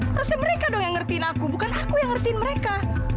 harusnya mereka dong yang ngertiin aku bukan aku yang ngerti mereka